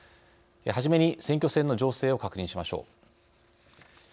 はじめに選挙戦の情勢を確認しましょう。